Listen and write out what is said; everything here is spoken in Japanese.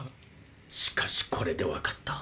しかしこれで分かった